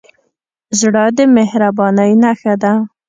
زړه د مهربانۍ نښه ده.